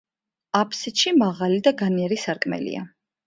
აფსიდში მაღალი და განიერი სარკმელია.